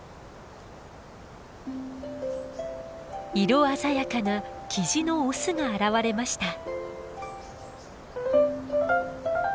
色鮮やかなキジのオスが現れました。